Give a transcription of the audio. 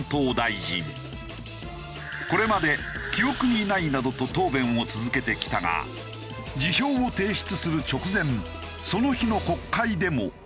これまで「記憶にない」などと答弁を続けてきたが辞表を提出する直前その日の国会でも。